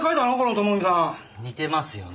似てますよね？